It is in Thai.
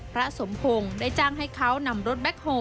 พระสมพงศ์ได้จ้างให้เขานำรถแบ็คโฮล